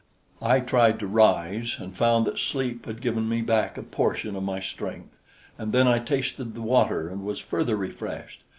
I tried to rise, and found that sleep had given me back a portion of my strength; and then I tasted the water and was further refreshed.